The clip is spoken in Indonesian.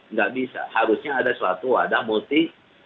nggak bisa harusnya ada suatu wadah multi